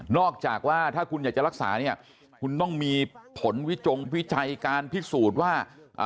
อกจากว่าถ้าคุณอยากจะรักษาเนี่ยคุณต้องมีผลวิจงวิจัยการพิสูจน์ว่า